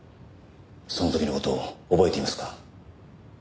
その時の事を覚えていますか？